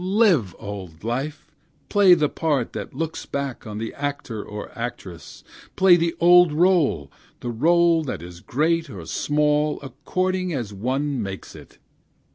Live, old life! play the part that looks back on the actor or actress! Play the old role, the role that is great or small, according as one makes it!